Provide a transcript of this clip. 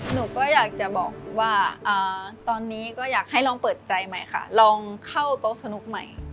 หนูก็อยากจะบอกว่าตอนนี้ก็อยากให้ลองเปิดใจใหม่ค่ะลองเข้าโต๊ะสนุกใหม่